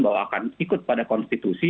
bahwa akan ikut pada konstitusi